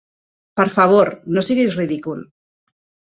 Per favor, no siguis ridícul!